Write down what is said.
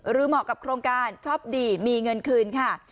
เหมาะกับโครงการช็อปดีมีเงินคืนค่ะ